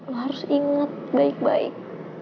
lo harus ingat baik baik